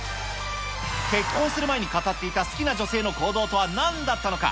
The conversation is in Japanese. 結婚する前に語っていた好きな女性の行動とはなんだったのか。